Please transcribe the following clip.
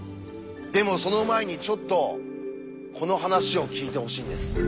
でもその前にちょっとこの話を聞いてほしいんです。